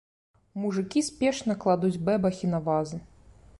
Мужыкі спешна кладуць бэбахі на вазы.